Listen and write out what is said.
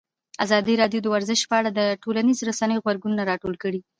ازادي راډیو د ورزش په اړه د ټولنیزو رسنیو غبرګونونه راټول کړي.